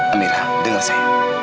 amira denger saya